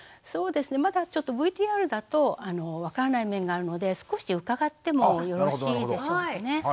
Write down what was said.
そうですねまだちょっとＶＴＲだと分からない面があるので少し伺ってもよろしいでしょうかね？